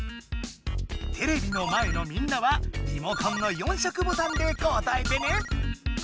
テレビの前のみんなはリモコンの４色ボタンで答えてね！